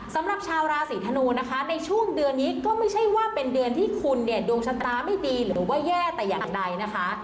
สำหรับชาวราศีธนูนะคะในช่วงเดือนนี้ก็ไม่ใช่ว่าเป็นเดือนที่คุณเนี่ยดวงชะตาไม่ดีหรือว่าแย่แต่อย่างใดนะคะ